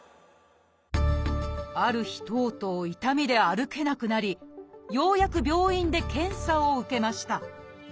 ある日とうとう痛みで歩けなくなりようやく病院で検査を受けました。